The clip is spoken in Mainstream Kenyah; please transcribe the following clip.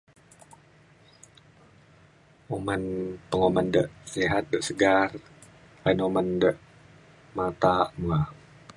Uman penguman dek sihat dan segar penguman dek matak na.